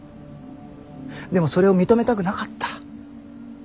でもそれを認めたくなかった。